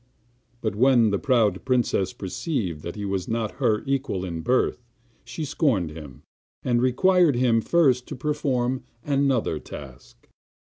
But when the proud princess perceived that he was not her equal in birth, she scorned him, and required him first to perform another task.